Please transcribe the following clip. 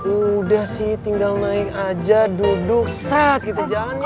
udah sih tinggal naik aja duduk set gitu jalannya sampe